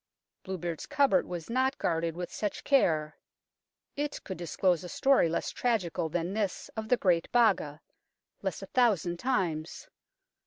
Bluebeard's cupboard was not guarded with such care. It could disclose a story less tragical than this of the Great Baga less a thousand times